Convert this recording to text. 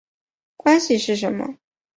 关系是什么？